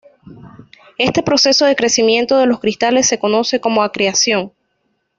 Este proceso de crecimiento de los cristales se conoce como "acreción".